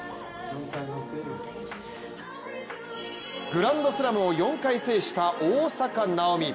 グランドスラムを４回制した大坂なおみ。